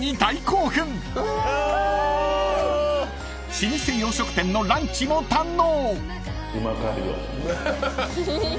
［老舗洋食店のランチも堪能］